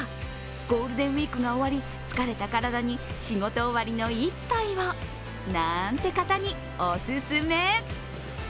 ゴールデンウイークが終わり疲れた体に仕事終わりの一杯をなんて方にお勧め。